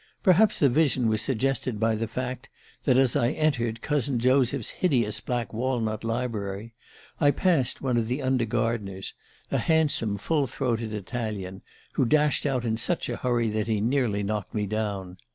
Perhaps the vision was suggested by the fact that, as I entered cousin Joseph's hideous black walnut library, I passed one of the under gardeners, a handsome full throated Italian, who dashed out in such a hurry that he nearly knocked me down.